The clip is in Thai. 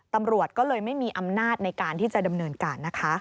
ตำรวจก็เลยไม่มีอำนาจในการที่จะดำเนินการนะคะ